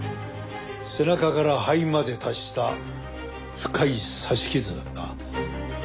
背中から肺まで達した深い刺し傷だった。